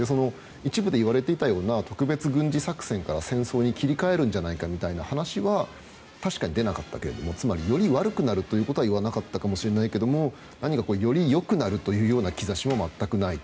一部で言われていたような特別軍事作戦から戦争に切り替えるんじゃないかという話は確かに出なかったけれどもつまりより悪くなるということは言わなかったかもしれないけれども何かより良くなるという兆しも全くない。